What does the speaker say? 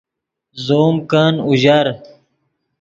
زوم کن اوژر